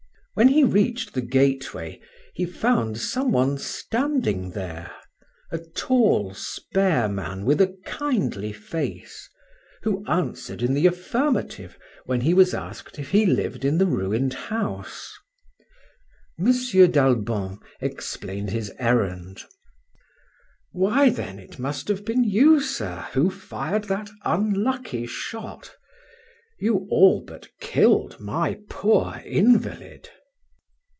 When he reached the gateway he found some one standing there, a tall, spare man with a kindly face, who answered in the affirmative when he was asked if he lived in the ruined house. M. d'Albon explained his errand. "Why, then, it must have been you, sir, who fired that unlucky shot! You all but killed my poor invalid."